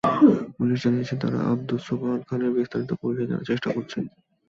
Police জানিয়েছে, তারা আবদুস সোবাহান খানের বিস্তারিত পরিচয় জানার চেষ্টা করছেন।